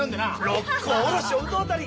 「六甲おろし」を歌うたり。